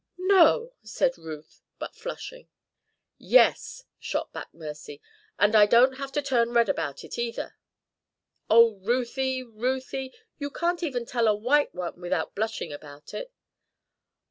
"No," said Ruth, but flushing. "Yes," shot back Mercy. "And I don't have to turn red about it, either. Oh, Ruthie, Ruthie! you can't even tell a white one without blushing about it."